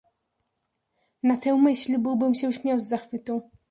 "Na tę myśl byłbym się śmiał z zachwytu."